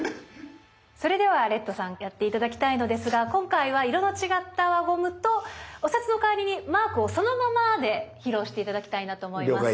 それではレッドさんやって頂きたいのですが今回は色の違った輪ゴムとお札の代わりにマークをそのままで披露して頂きたいなと思います。